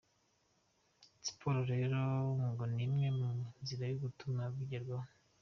Siporo rero ngo ni imwe mu nzira yo gutuma bigerwaho.